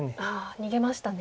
逃げましたね。